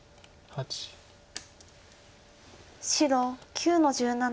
白９の十七。